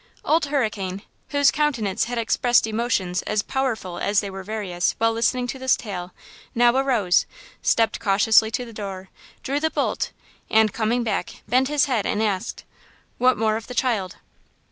Old Hurricane, whose countenance had expressed emotions as powerful as they were various while listening to this tale, now arose, stepped cautiously to the door, drew the bolt, and, coming back, bent his head and asked: "What more of the child?"